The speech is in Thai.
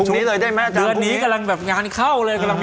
รอนิดหนึ่ง